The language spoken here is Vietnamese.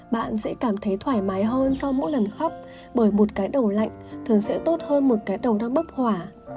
bạn sẽ cảm thấy thoải mái hơn sau mỗi lần khóc bởi một cái đầu lạnh thường sẽ tốt hơn một cái đầu đang bốc hỏa